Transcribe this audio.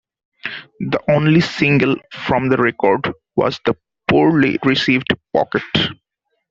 The only single from the record was the poorly received "Pocket".